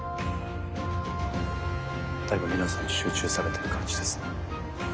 だいぶ皆さん集中されてる感じですね。